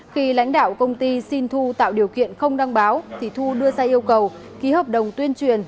khi lãnh đạo công ty xin thu tạo điều kiện không đăng báo thì thu đưa ra yêu cầu ký hợp đồng tuyên truyền